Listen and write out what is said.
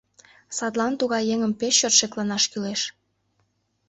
Садлан тугай еҥым пеш чот шекланаш кӱлеш.